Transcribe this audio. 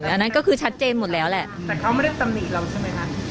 อันนั้นก็คือชัดเจนหมดแล้วแหละแต่เขาไม่ได้ตำหนิเราใช่ไหมคะ